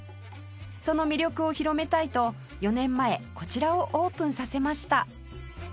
その魅力を広めたいと４年前こちらをオープンさせました